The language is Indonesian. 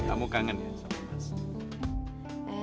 kamu kangen ya sama mas